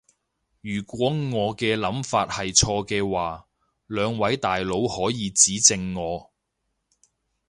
如果我嘅諗法係錯嘅話，兩位大佬可以指正我